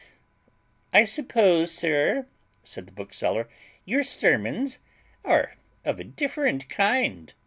"I suppose, sir," said the bookseller, "your sermons are of a different kind."